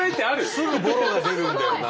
すぐぼろが出るんだよな。